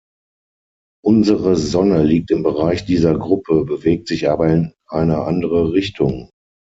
Unsere Sonne liegt im Bereich dieser Gruppe, bewegt sich aber in eine andere Richtung.